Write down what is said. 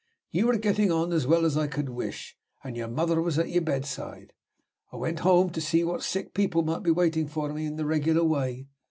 You were getting on as well as I could wish, and your mother was at your bedside. I went home to see what sick people might be waiting for me in the regular way.